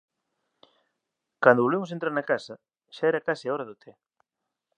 Cando volvemos entrar na casa, xa era case a hora do té.